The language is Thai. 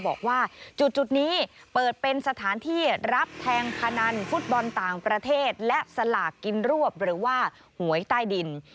บอกว่าจุดนี้เปิดเป็นสถานที่รับแทงพนันฟุตบอลต่างประเทศและสลากกินรวบหรือว่าหวยใต้ดิน